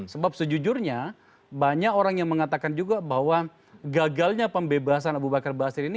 sebab sejujurnya banyak orang yang mengatakan juga bahwa gagalnya pembebasan abu bakar basir ini